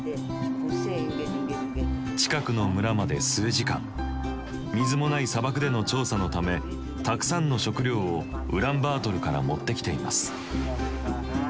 近くの村まで数時間水もない砂漠での調査のためたくさんの食料をウランバートルから持ってきています。